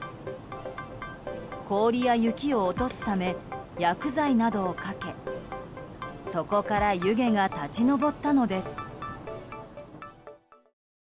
氷や雪を落とすため薬剤などをかけそこから湯気が立ち上ったのです。